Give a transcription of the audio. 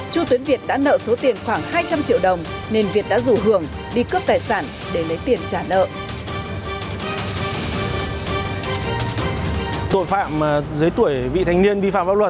chu tuyến việt đã nợ số tiền khoảng hai trăm linh triệu đồng nên việt đã rủ hưởng đi cướp tài sản để lấy tiền trả nợ